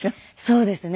そうですね。